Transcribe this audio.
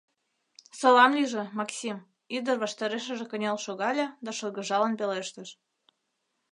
— Салам лийже, Максим, — ӱдыр ваштарешыже кынел шогале да шыргыжалын пелештыш.